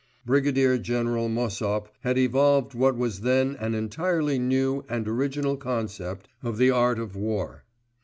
Brigadier General Mossop had evolved what was then an entirely new and original conception of the art of war.